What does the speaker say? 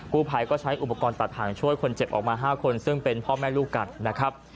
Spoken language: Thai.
ผู้ภัยก็ใช้อุปกรณ์ตัดหางช่วยคนเจ็บออกมา๕คนซึ่งเป็นพ่อแม่ลูกกันนะครับ